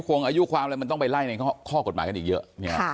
คงอายุความอะไรมันต้องไปไล่ในข้อกฎหมายกันอีกเยอะ